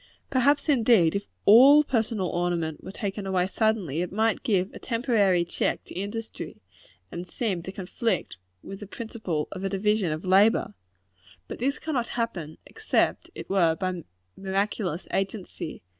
Perhaps, indeed, if all personal ornament were to be taken away suddenly, it might give a temporary check to industry, and seem to conflict with the principal of a division of labor. But this cannot happen, except it were by miraculous agency.